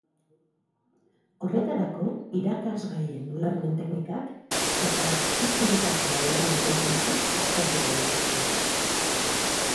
Horretarako, irakasgaien ulermen teknikak eta ikasgeletako lan antolakuntza aztertuko ditzte.